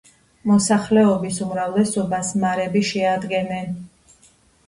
მოსახლეობის უმრავლესობას მარები შეადგენენ.